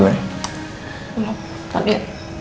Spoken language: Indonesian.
belum tak liat